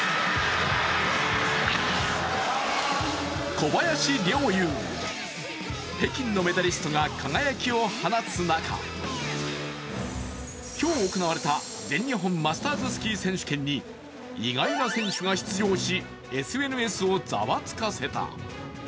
小林陵侑、北京のメダリストが輝きを放つ中、今日行われた全日本マスターズスキー選手権に意外な選手が出場し、ＳＮＳをざわつかせた。